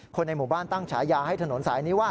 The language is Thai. คนในหมู่บ้านตั้งฉายาให้ถนนสายนี้ว่า